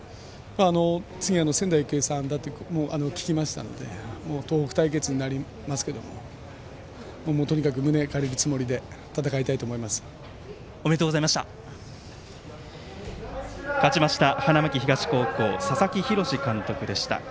次、仙台育英さんだと聞きましたので東北対決になりますけれどもとにかく胸を借りるつもりで勝ちました、花巻東高校佐々木洋監督でした。